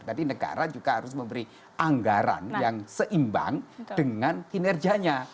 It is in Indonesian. tadi negara juga harus memberi anggaran yang seimbang dengan kinerjanya